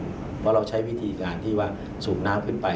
เพราะเราใช้วิธีการที่ว่าสูบน้ำขึ้นไป